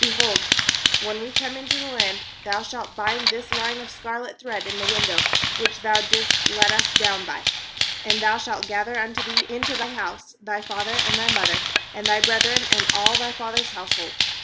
18Behold, when we come into the land, thou shalt bind this line of scarlet thread in the window which thou didst let us down by; and thou shalt gather unto thee into the house thy father, and thy mother, and thy brethren, and all thy father's house hold.